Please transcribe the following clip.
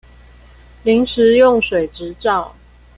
臨時用水執照